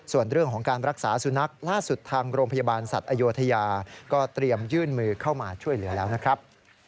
ส่วนเรื่องของการรักษาสุนัขล่าสุดทางโรงพยาบาลสัตว์อโยธยาก็เตรียมยื่นมือเข้ามาช่วยเหลือแล้วนะครับ